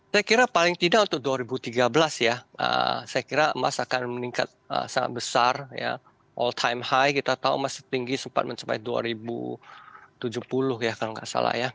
saya kira paling tidak untuk dua ribu tiga belas ya saya kira emas akan meningkat sangat besar ya all time high kita tahu masih tinggi sempat mencapai dua ribu tujuh puluh ya kalau nggak salah ya